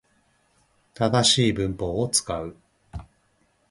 正しい文法を使う